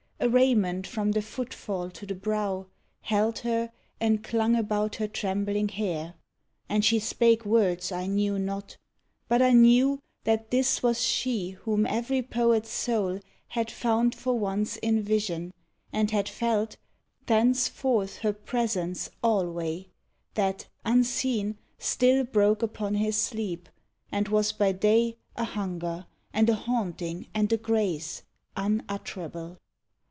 A raiment from the footfall to the brow, Held her, and clung about her trembling hair. And she spake words I knew not, but I knew That this was she whom every poet's soul Had found for once in vision, and had felt Thenceforth her presence alway, that, unseen, Still broke upon his sleep, and was by day A hunger and a haunting and a grace, Unutterable.